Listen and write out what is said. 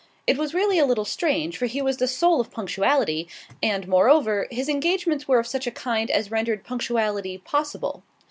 It was really a little strange, for he was the soul of punctuality, and moreover, his engagements were of such a kind as rendered punctuality possible.